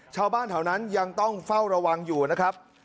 ชาวบ้านแถวนั้นยังต้องเฝ้าระวังอยู่นะครับ